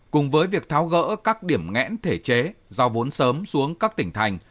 cùng với việc tháo gỡ các điểm ngẽn thể chế giao vốn sớm xuống các tỉnh thành